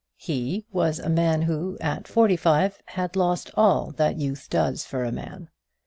He was a man who at forty five had lost all that youth does for a man.